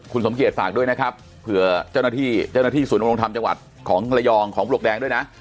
คุณสมเกียจฝากด้วยนะครับเผื่อเจ้าหน้าที่เจ้าหน้าที่ศูนยำรงธรรมจังหวัดของระยองของปลวกแดงด้วยนะ